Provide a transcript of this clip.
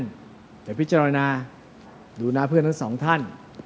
เดี๋ยวพิจารณาดูหน้าเพื่อนทั้งสองท่าน